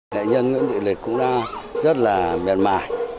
nghệ nhân nguyễn thị lịch cũng đã rất là mềm mải